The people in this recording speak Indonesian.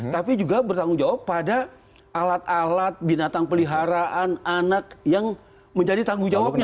tapi juga bertanggung jawab pada alat alat binatang peliharaan anak yang menjadi tanggung jawabnya